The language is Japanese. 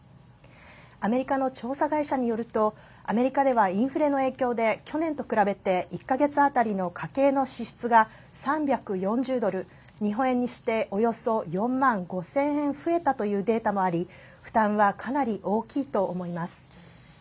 アメリカの調査会社によるとアメリカでは、インフレの影響で去年と比べて１か月当たりの家計の支出が３４０ドル、日本円にしておよそ４万５０００円増えたというデータもあり負担は、かなり大きいと思います。